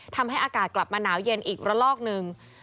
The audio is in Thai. ทำให้อากาศกลับมาหนาวเย็นอีกระลอกหนึ่ง